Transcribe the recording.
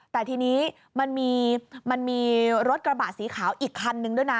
แต่ทีนี้มันมีรถกระบะสีขาวอีกคันนึงด้วยนะ